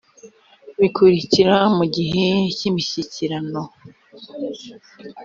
bikurikira mu gihe cy imishyikirano